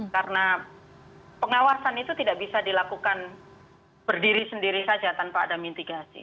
karena pengawasan itu tidak bisa dilakukan berdiri sendiri saja tanpa ada mitigasi